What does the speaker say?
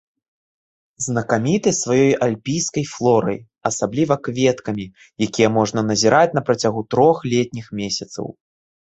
Знакаміты сваёй альпійскай флорай, асабліва кветкамі, якія можна назіраць на працягу трох летніх месяцаў.